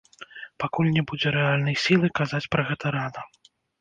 Пакуль не будзе рэальнай сілы, казаць пра гэта рана.